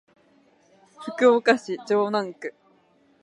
福岡市城南区